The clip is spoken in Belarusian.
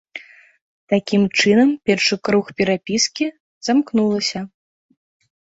Такім чынам першы круг перапіскі замкнулася.